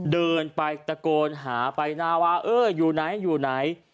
เดินไปตะโกนหาไปนะว่าเอออยู่ไหนอยู่ไหน